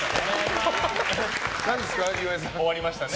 終わりましたね。